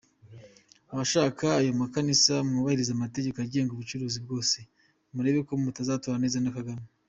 Abashaka ayo makanisa mwubahirize amategeko agenga ubucuruzi bwose murebe ko mutazaturana neza na Kagame.